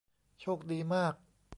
โชคดีมาก